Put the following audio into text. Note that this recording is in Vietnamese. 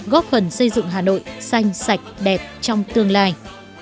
góp phần xây dựng hà nội xanh sạch đẹp trong tương lai